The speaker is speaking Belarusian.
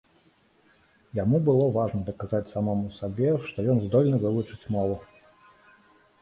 Яму было важна даказаць самому сабе, што ён здольны вывучыць мову.